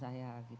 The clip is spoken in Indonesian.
saya juga mau